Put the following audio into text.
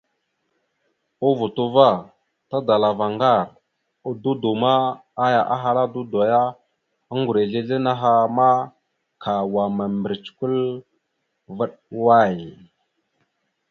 A vuto va, tadalavara ŋgar a dudo ma, aya ahala a dudo ya: Ŋgureslesla naha ma, ka wa ana mèmbirec kwal vaɗ way?